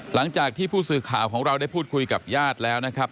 หลังจากที่ผู้สื่อข่าวของเราได้พูดคุยกับญาติแล้วนะครับ